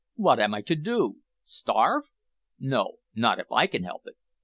What am I to do? Starve? No, not if I can help it.